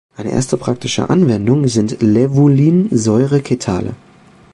Eine erste praktische Anwendung sind Lävulinsäure-Ketale.